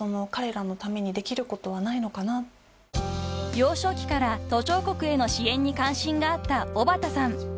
［幼少期から途上国への支援に関心があった小幡さん］